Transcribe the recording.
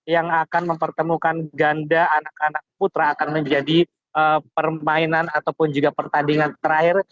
yang akan mempertemukan ganda anak anak putra akan menjadi permainan ataupun juga pertandingan terakhir